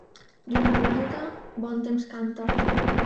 Lluna blanca bon temps canta.